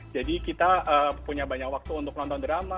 jadi kita punya banyak waktu untuk nonton drama